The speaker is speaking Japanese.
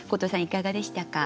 いかがでしたか？